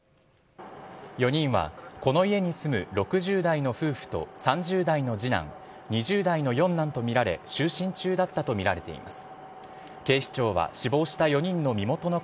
４人はこの家に住む６０代の夫婦と３０代の次男、２０代の四男と見られ、就寝中だったと見られています。